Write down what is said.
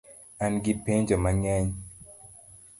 An gi penjo mang'eny